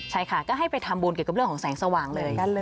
ใช่ค่ะก็ให้ไปทำบุญเรื่องแสงสว่างเลย